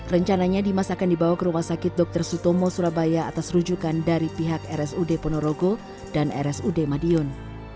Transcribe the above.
rencananya dimas akan dibawa ke rumah sakit dr sutomo surabaya atas rujukan dari pihak rsud ponorogo dan rsud madiun